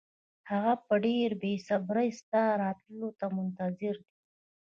هغه په ډېره بې صبرۍ ستا راتلو ته منتظر دی.